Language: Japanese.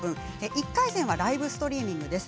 １回戦はライブストリーミングです。